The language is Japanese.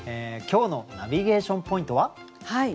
今日のナビゲーション・ポイントは？